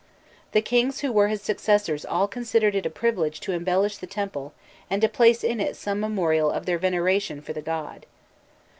The kings who were his successors all considered it a privilege to embellish the temple and to place in it some memorial of their veneration for the god.